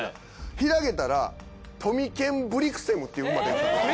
広げたらトミケンブリクセムっていう馬出てたんですよ。